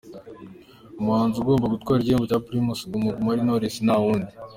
umuhanzi ugomba gutwara igihembo cya Primus Guma Guma ari Knowless nta wundi.